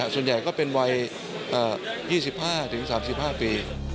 ส่วนใหญ่ก็เป็นวัย๒๕๓๕ปี